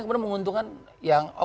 kemudian menguntungkan yang